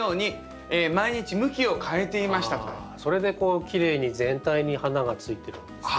それでこうきれいに全体に花がついてるんですね。